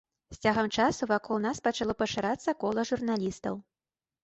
З цягам часу вакол нас пачало пашырацца кола журналістаў.